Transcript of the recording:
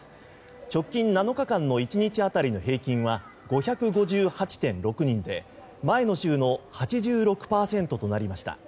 直近７日間の１日当たりの平均は５５８．６人で前の週の８６％となりました。